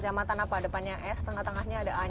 kecamatan apa depannya s tengah tengahnya ada a nya